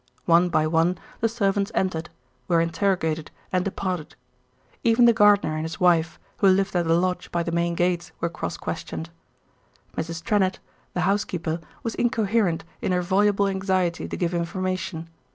One by one the servants entered, were interrogated, and departed. Even the gardener and his wife, who lived at the lodge by the main gates, were cross questioned. Mrs. Trennett, the housekeeper, was incoherent in her voluble anxiety to give information.